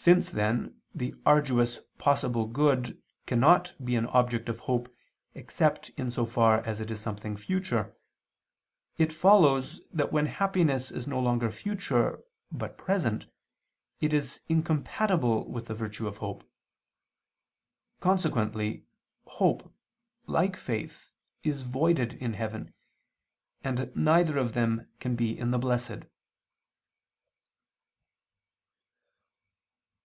Since then the arduous possible good cannot be an object of hope except in so far as it is something future, it follows that when happiness is no longer future, but present, it is incompatible with the virtue of hope. Consequently hope, like faith, is voided in heaven, and neither of them can be in the blessed.